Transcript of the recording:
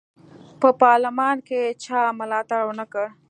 په پارلمان کې یې چا ملاتړ ونه کړ.